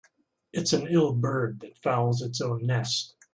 It's an ill bird that fouls its own nest.